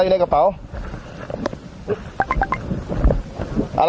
อันนี้คื